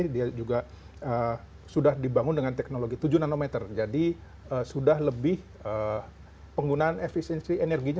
dia juga sudah dibangun dengan teknologi tujuh nanometer jadi sudah lebih penggunaan efisiensi energinya